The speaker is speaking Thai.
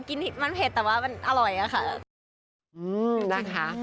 กินมันเผ็ดแต่ว่ามันอร่อยค่ะ